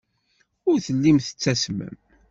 Ur tellim tettasmem.